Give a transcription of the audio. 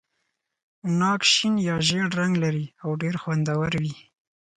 ناک شین یا ژېړ رنګ لري او ډېر خوندور وي.